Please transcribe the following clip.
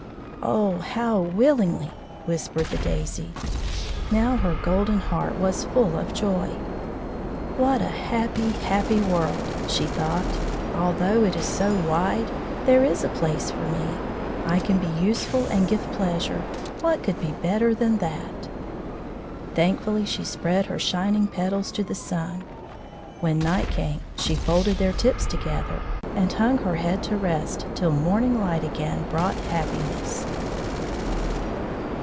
"Oh, how willingly!" whispered the daisy. Now her golden heart was full of joy. "What a happy, happy world!" she thought. "Although it is so wide, there is a place for me. I can be useful and give pleasure. What could be better than that?" Thankfully she spread her shining petals to the sun. When night came she folded their tips together, and hung her head, to rest till morning light again brought happiness.